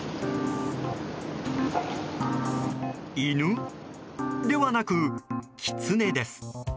犬？ではなくキツネです。